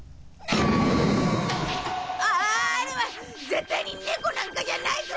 ああれは絶対にネコなんかじゃないぞ！